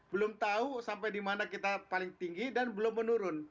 belum tahu sampai di mana kita paling tinggi dan belum menurun